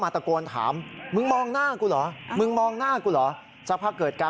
โทษทีโทษที